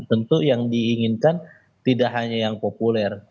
tentu yang diinginkan tidak hanya yang populer